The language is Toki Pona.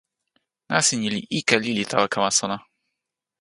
nasin ni li ike lili tawa kama sona.